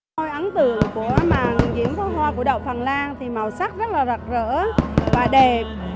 tôi ấn tượng của màn diễn pháo hoa của đậu phần lan thì màu sắc rất là rực rỡ và đẹp